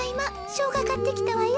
しょうがかってきたわよ。